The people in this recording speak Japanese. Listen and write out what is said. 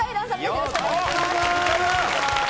よろしくお願いします。